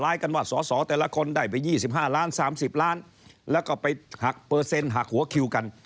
จะป้องกันไม่ให้สอสอเข้ามามีส่วนเกี่ยวข้องกับเรื่องงบประมาณ